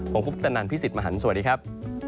ผมพุทธนันทร์พี่สิทธิ์มหันศ์สวัสดีครับ